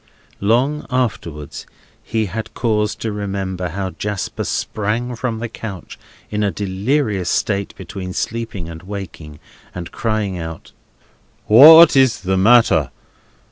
Long afterwards he had cause to remember how Jasper sprang from the couch in a delirious state between sleeping and waking, and crying out: "What is the matter?